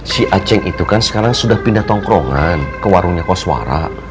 si aceh itu kan sekarang sudah pindah tongkrongan ke warungnya koswara